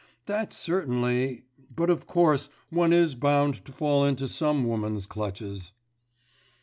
that's certainly ... But of course one is bound to fall into some woman's clutches.